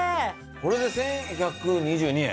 これで１１２２円？